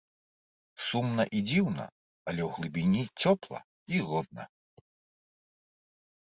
Сумна і дзіўна, але ў глыбіні цёпла і родна.